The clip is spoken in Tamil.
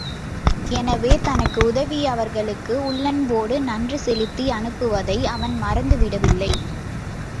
எனவே, தனக்கு உதவிய அவர்களுக்கு உள்ளன்போடு நன்றி செலுத்தி அனுப்புவதை அவன் மறந்துவிடவில்லை.